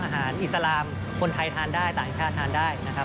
อิสลามคนไทยทานได้ต่างชาติทานได้นะครับ